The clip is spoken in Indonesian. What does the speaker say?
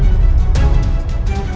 raih prabu siri wangi